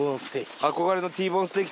憧れのＴボーンステーキ。